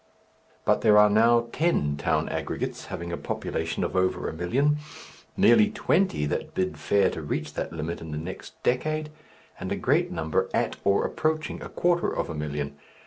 But there are now ten town aggregates having a population of over a million, nearly twenty that bid fair to reach that limit in the next decade, and a great number at or approaching a quarter of a million.